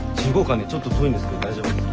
ちょっと遠いんですけど大丈夫ですか？